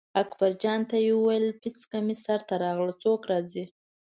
اکبرجان ته یې وویل پیڅکه مې سر ته راغله څوک راځي.